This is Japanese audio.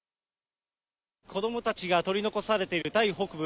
子どもたちが取り残されているタイ北部